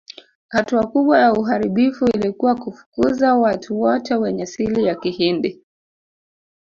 Hatua kubwa ya uharibifu ilikuwa kufukuza watu wote wenye asili ya Kihindi